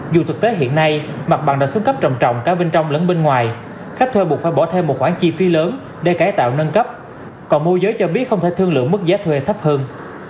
dù thực tế hiện nay mặt bằng đã xuống cấp trồng trọng cả bên trong lẫn bên ngoài khách thuê buộc phải bỏ thêm một khoản chi phí lớn để cải tạo nâng cấp còn môi giới cho biết không thể thương lượng mức giá thuê thấp hơn